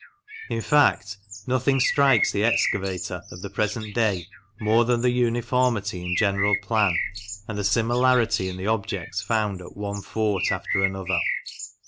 In fact, nothing strikes the excavator of the present day more than the uniformity in general plan and the similarity in the objects found at one fort after another.